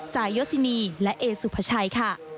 จ่ายยศินีและเอสุภาชัยค่ะ